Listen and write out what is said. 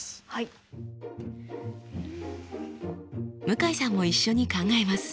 向井さんも一緒に考えます。